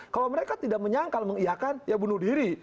kalau mereka tidak menyangkal mengiakan ya bunuh diri